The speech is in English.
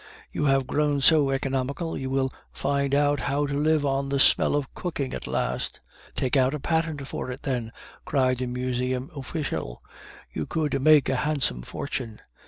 "You have grown so economical, you will find out how to live on the smell of cooking at last." "Take out a patent for it, then," cried the Museum official; "you would make a handsome fortune."